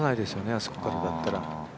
あそこだったら。